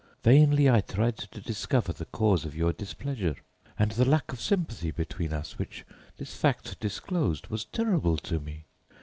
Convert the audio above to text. Vainly I tried to discover the cause of your displeasure, and the lack of sympathy between us which this fact disclosed was terrible to me.